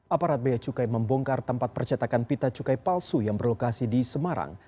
aparat beacukai membongkar tempat percetakan pita cukai palsu yang berlokasi di semarang